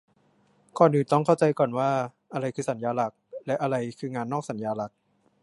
ก่อนอื่นต้องเข้าใจก่อนว่าอะไรคือสัญญาหลัก และ อะไรคืองานนอกสัญญาหลัก